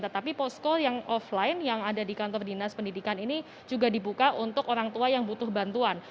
tetapi posko yang offline yang ada di kantor dinas pendidikan ini juga dibuka untuk orang tua yang butuh bantuan